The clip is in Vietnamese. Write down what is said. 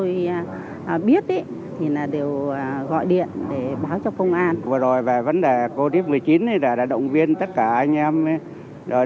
đặc biệt nhận được sự đồng thuận cao của nhân dân đã cam kết không vi phạm pháp luật